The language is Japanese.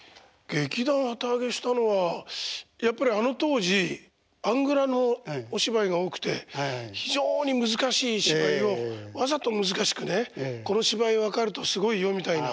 劇団を旗揚げしたのはやっぱりあの当時アングラのお芝居が多くて非常に難しい芝居をわざと難しくね「この芝居分かるとすごいよ」みたいな。